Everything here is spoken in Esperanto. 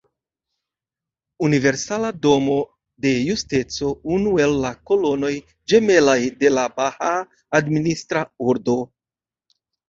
Universala Domo de Justeco: Unu el la kolonoj ĝemelaj de la Bahaa administra ordo.